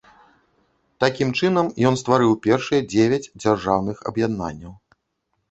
Такім чынам, ён стварыў першыя дзевяць дзяржаўных аб'яднанняў.